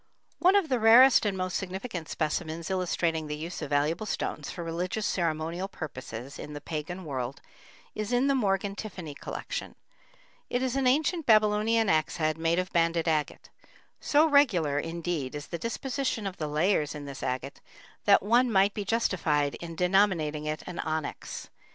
One of the rarest and most significant specimens illustrating the use of valuable stones for religious ceremonial purposes in the pagan world is in the Morgan Tiffany collection. It is an ancient Babylonian axe head made of banded agate. So regular, indeed, is the disposition of the layers in this agate that one might be justified in denominating it an onyx.